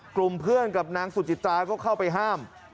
กลุ่มเพื่อนกับนางสุจิตาก็เข้าไปห้าม